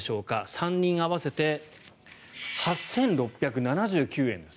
３人合わせて８６７９円です。